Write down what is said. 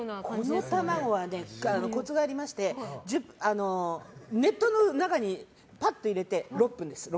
この卵はコツがありまして熱湯の中にぱっと入れて６分です。